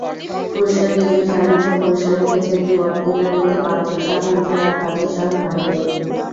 পুরস্কার বিজয়ী সাধারণত পুরস্কারের ক্ষেত্রে একটি বক্তৃতা দিতে বাধ্য, সাধারণত তার কাজের শহর বাইরে।